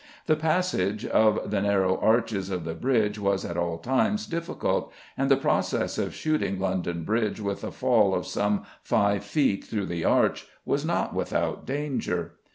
The passage of the narrow arches of the bridge was at all times difficult, and the process of shooting London Bridge, with a fall of some five feet through the arch, was not without danger.